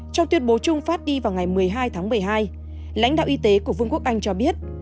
trong tuyên bố chung phát đi vào ngày một mươi hai tháng một mươi hai lãnh đạo y tế của vương quốc anh cho biết